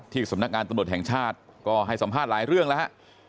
สำนักงานตำรวจแห่งชาติก็ให้สัมภาษณ์หลายเรื่องแล้วฮะ